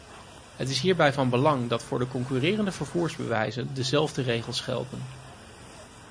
Het is hierbij van belang dat voor de concurrerende vervoerswijzen dezelfde regels gelden.